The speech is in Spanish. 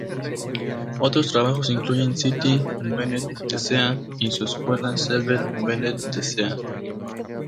Otros trabajos incluyen "City Beneath the Sea" y su secuela "Secret beneath the Sea".